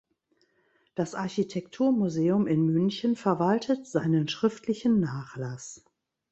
Das Architekturmuseum in München verwaltet seinen schriftlichen Nachlass.